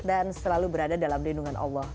dan selalu berada dalam lindungan allah